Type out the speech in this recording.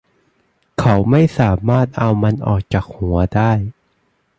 เขาไม่สามารถเอามันออกจากหัวได้